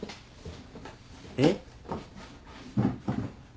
えっ？